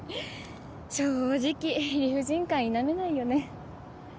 正直理不尽感否めないよね。